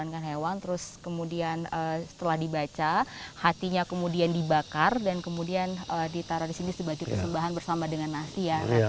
kemudian setelah dibaca hatinya kemudian dibakar dan kemudian ditaruh di sini sebagai kesembahan bersama dengan nasi